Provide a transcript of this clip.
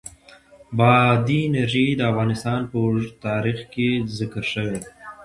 بادي انرژي د افغانستان په اوږده تاریخ کې ذکر شوی دی.